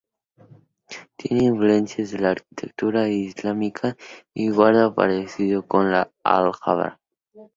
Tiene influencias de la arquitectura islámica y guarda parecido con la Alhambra.